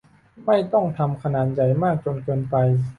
ไม่ต้องทำขนาดใหญ่มากจนเกินไป